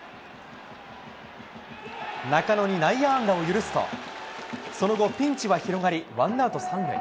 中野に内野安打を許すと、その後、ピンチは広がり、ワンアウト３塁。